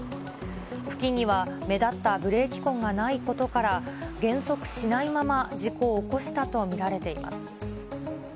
付近には目立ったブレーキ痕がないことから、減速しないまま事故を起こしたと見られています。